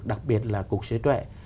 đặc biệt là cục sở hữu trí tuệ